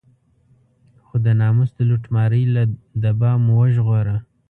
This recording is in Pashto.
خو د ناموس د لوټمارۍ له دبا مو وژغوره.